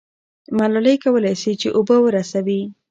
ملالۍ کولای سي چې اوبه ورسوي.